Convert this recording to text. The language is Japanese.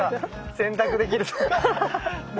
洗濯できるとかね